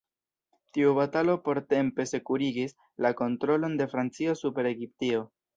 Tiu batalo portempe sekurigis la kontrolon de Francio super Egiptio.